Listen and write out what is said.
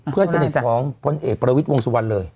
เพื่อนสนิทของพลเอกประวิทย์วงสุวรรณเลย